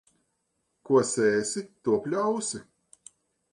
Ko sēsi, to pļausi.